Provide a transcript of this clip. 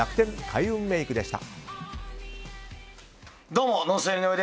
開運メイクでした。